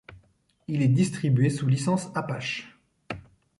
Il est distribué sous Licence Apache.